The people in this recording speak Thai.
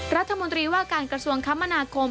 รัฐมนตรีว่าการกระทรวงคมนาคม